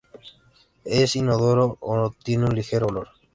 Es inodoro o tiene un ligero olor.